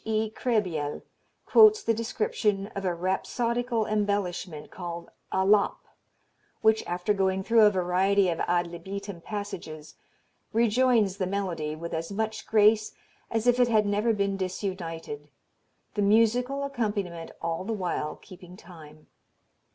E. Krehbiel quotes the description of "a rhapsodical embellishment, called 'alap,' which after going through a variety of ad libitum passages, rejoins the melody with as much grace as if it had never been disunited, the musical accompaniment all the while keeping time.